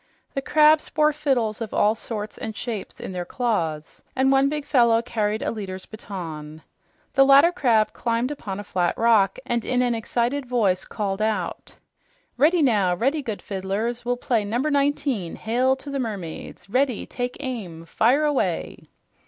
The crabs bore fiddles of all sorts and shapes in their claws, and one big fellow carried a leader's baton. The latter crab climbed upon a flat rock and in an excited voice called out, "Ready, now ready, good fiddlers. We'll play Number 19, Hail to the Mermaids. Ready! Take aim! Fire away!"